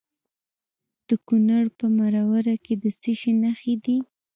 د کونړ په مروره کې د څه شي نښې دي؟